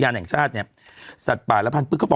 ยังไงยังไงยังไง